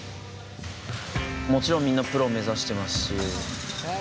もちろんみんなプロ目指してますし。